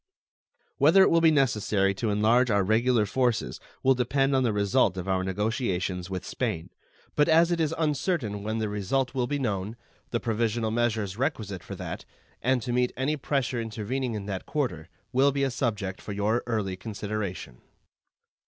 Whether it will be necessary to enlarge our regular forces will depend on the result of our negotiations with Spain; but as it is uncertain when that result will be known, the provisional measures requisite for that, and to meet any pressure intervening in that quarter, will be a subject for your early consideration.